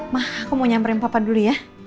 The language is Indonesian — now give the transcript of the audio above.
mah aku mau nyamperin papa dulu ya